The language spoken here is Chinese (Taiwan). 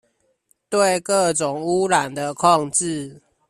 對各種汙染的控制